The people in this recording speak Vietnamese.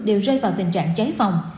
đều rơi vào tình trạng cháy phòng